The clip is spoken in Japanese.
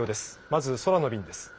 まず空の便です。